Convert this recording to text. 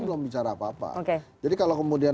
belum bicara apa apa jadi kalau kemudian